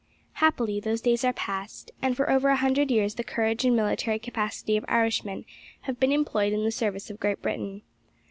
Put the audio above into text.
Happily, those days are past, and for over a hundred years the courage and military capacity of Irishmen have been employed in the service of Great Britain.